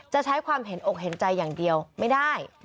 จะใช้ความเห็นอกเห็นใจอย่างเดียวไม่ได้